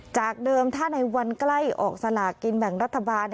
จากเดิมถ้าในวันใกล้ออกสลากินแบ่งรัฐบาล